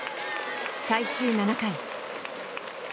最終７回。